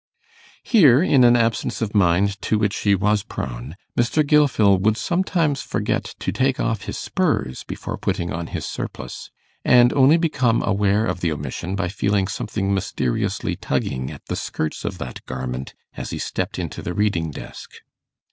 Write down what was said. Here, in an absence of mind to which he was prone, Mr. Gilfil would sometimes forget to take off his spurs before putting on his surplice, and only become aware of the omission by feeling something mysteriously tugging at the skirts of that garment as he stepped into the reading desk.